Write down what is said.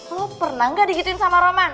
lo pernah gak digituin sama roman